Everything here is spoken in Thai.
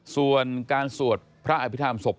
ส่วนการสวดพระอภิษฐรรมศพ